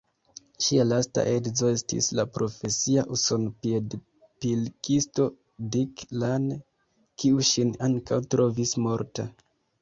Ŝia lasta edzo estis la profesia uson-piedpilkisto Dick Lane, kiu ŝin ankaŭ trovis morta.